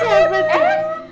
eh ini siapa di